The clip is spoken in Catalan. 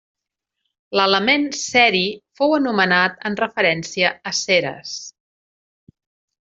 L'element ceri fou anomenat en referència a Ceres.